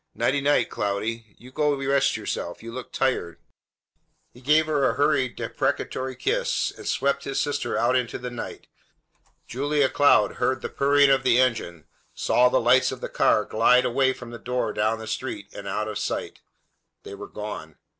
Nightie, nightie, Cloudy. You go rest yourself. You look tired." He gave her a hurried, deprecatory kiss, and swept his sister out into the night. Julia Cloud heard the purring of the engine, saw the lights of the car glide away from the door down the street and out of sight. They were gone!